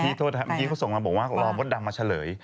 โทษครับเมื่อกี้เขาส่งมาบอกว่ารอบดดำมาเฉลย